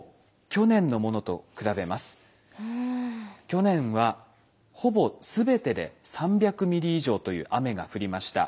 去年はほぼ全てで３００ｍｍ以上という雨が降りました。